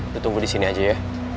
ditunggu disini aja ya